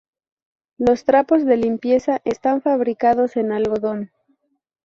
Los trapos de limpieza están fabricados en algodón.